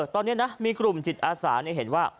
ตอนนี้นะมีกลุ่มจิตอาสาเห็นว่า